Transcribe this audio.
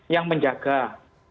yang menjaga kesehatan